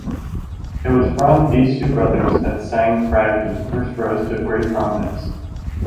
It was from these two brothers that Sengge Ragi first rose to great prominence.